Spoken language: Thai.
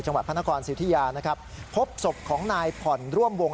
จังหวัดพระนครสิวทิยาพบศพของนายผ่อนร่วมวง